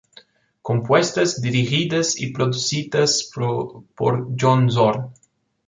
Compuestas, dirigidas y producidas por John Zorn.